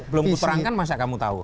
belum kuterangkan masa kamu tahu